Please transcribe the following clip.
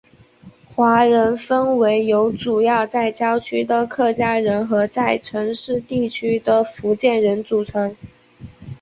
华人分为由主要在郊区的客家人和在城市地区的福建人组成。